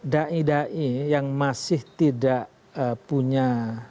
dai dai yang masih tidak punya